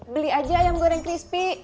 beli aja ayam goreng crispy